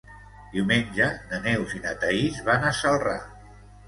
Diumenge na Neus i na Thaís van a Celrà.